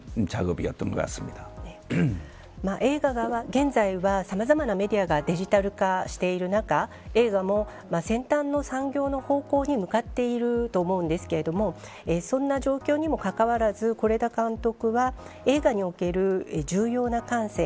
現在は、さまざまなメディアがデジタル化している中映画も先端の産業の方向に向かっていると思うんですけれどもそんな状況にもかかわらず是枝監督は映画における重要な感性